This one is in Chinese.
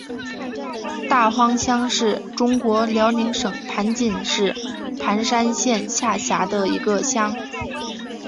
大荒乡是中国辽宁省盘锦市盘山县下辖的一个乡。